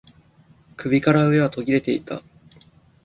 首から上は途切れていた